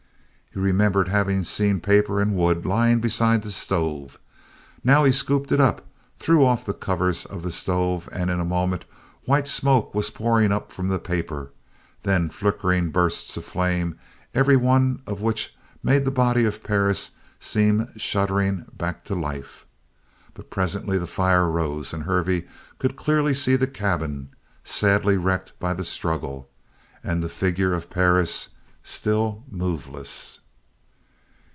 He remembered having seen paper and wood lying beside the stove. Now he scooped it up, threw off the covers of the stove, and in a moment white smoke was pouring up from the paper, then flickering bursts of flame every one of which made the body of Perris seem shuddering back to life. But presently the fire rose and Hervey could clearly see the cabin, sadly wrecked by the struggle, and the figure of Perris still moveless.